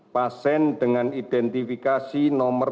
pasien dengan identifikasi nomor tiga belas